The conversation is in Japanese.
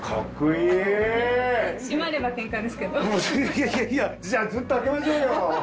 いやいやいやじゃあずっと開けましょうよ。